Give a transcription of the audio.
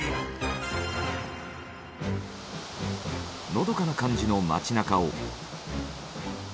のどかな感じの町中を。